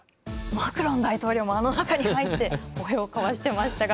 マクロン大統領もあの中に入って抱擁を交わしてましたが。